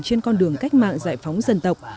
trên con đường cách mạng giải phóng dân tộc